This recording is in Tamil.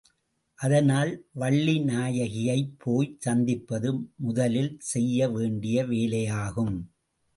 அதனால் வள்ளிநாயகியைப் போய்ச் சந்திப்பது முதலில் செய்ய வேண்டிய வேலையாகும்.